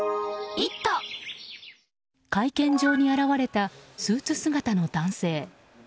会見場に現れたスーツ姿の男性。